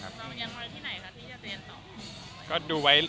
แล้วเรียนไว้ที่ไหนครับที่จะเรียนต่อ